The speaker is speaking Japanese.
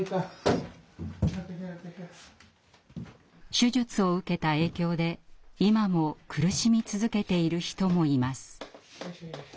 手術を受けた影響で今も苦しみ続けている人もいます。